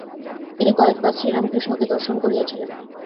তিনি কয়েকবার শ্রীরামকৃষ্ণকে দর্শন করিয়াছিলেন।